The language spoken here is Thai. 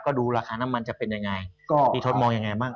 ก็ดูราคาน้ำมันจะเป็นยังไงก็พี่ทศมองยังไงบ้าง